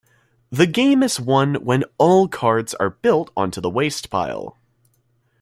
The game is won when all cards are built onto the waste pile.